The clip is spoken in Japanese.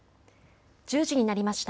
１０時になりました。